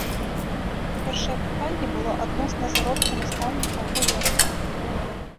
Першае пытанне было адносна заробку настаўнікаў у вёсках.